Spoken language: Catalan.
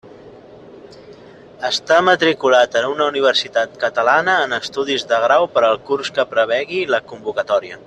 Estar matriculat en una universitat catalana en estudis de grau per al curs que prevegi la convocatòria.